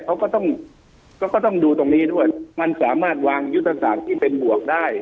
เขาก็ต้องก็ต้องดูตรงนี้ด้วยมันสามารถวางยุทธศาสตร์ที่เป็นบวกได้